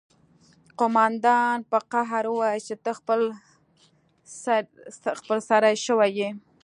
قومندان په قهر وویل چې ته خپل سری شوی یې